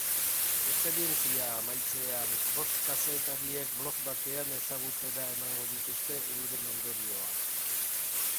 Esperientzia amaitzean, bost kazetariek blog batean ezagutzera emango dituzte euren ondorioak.